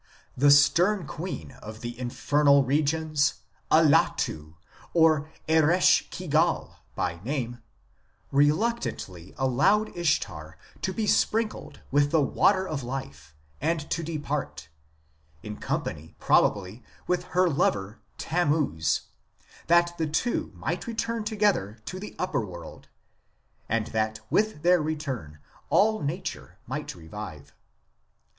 The stern queen of the infernal regions, Allatu or Eresh kigal by name, reluctantly allowed Ishtar to be sprinkled with the Water of Life and to depart, in company probably with her lover Tammuz, that the two might return together to the upper world, and that with their return all nature might revive.